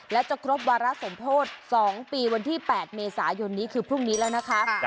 และจะครบวาระสมโพธิ๒ปีวันที่๘เมษายนนี้คือพรุ่งนี้แล้วนะคะ